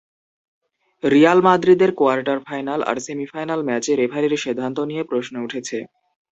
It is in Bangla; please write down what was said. রিয়াল মাদ্রিদের কোয়ার্টার ফাইনাল আর সেমিফাইনাল ম্যাচে রেফারির সিদ্ধান্ত নিয়ে প্রশ্ন উঠেছে।